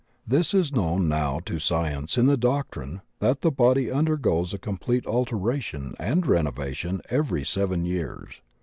This is known now to sci ence in the doctrine that the body imdergoes a com plete alteration and renovation every seven years.